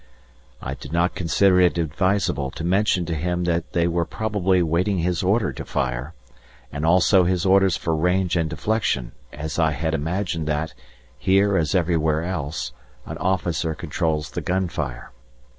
I did not consider it advisable to mention to him that they were probably waiting his order to fire, and also his orders for range and deflection, as I had imagined that, here as everywhere else, an officer controls the gun fire.